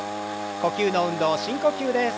呼吸の運動深呼吸です。